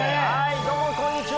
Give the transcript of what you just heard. どうもこんにちは。